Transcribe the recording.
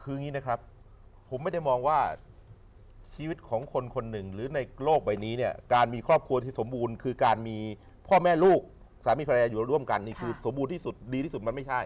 คืออย่างนี้นะครับผมไม่ได้มองว่าชีวิตของคนคนหนึ่งหรือในโลกใบนี้เนี่ยการมีครอบครัวที่สมบูรณ์คือการมีพ่อแม่ลูกสามีภรรยาอยู่ร่วมกันนี่คือสมบูรณ์ที่สุดดีที่สุดมันไม่ใช่